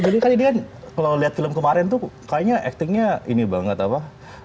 jadi kali ini kan kalau lihat film kemarin tuh kayaknya actingnya ini banget apa